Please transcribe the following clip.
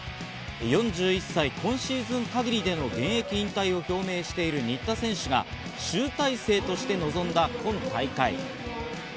４１歳、今シーズン限りでの現役引退を表明している新田選手が集大成として臨んだ今大会。